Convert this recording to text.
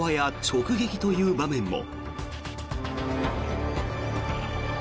直撃という場面も。